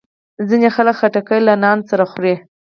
ځینې خلک خټکی له نان سره خوري.